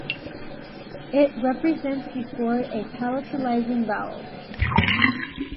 It represents before a palatalizing vowel.